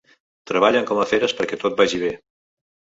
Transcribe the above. Treballen com a feres perquè tot vagi bé.